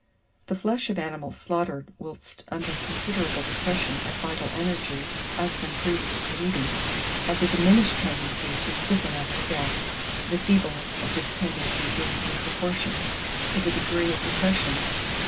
The flesh of animals slaughtered whilst under considerable depression of vital energy (as from previous bleeding) has a diminished tendency to stiffen after death, the feebleness of this tendency being in proportion to the degree of depression.